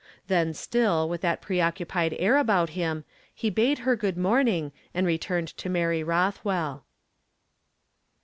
Then still with that preoccupied air about him he bade her good morn ing, and returned to Mary Uothwell.